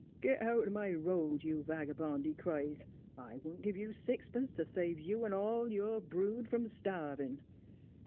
"Oet out o' my road, you vagabond," he cries, " I wouldn't give you sixpence to save you and all your brood from starving."